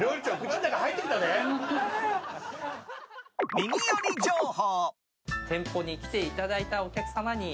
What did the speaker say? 耳寄り情報！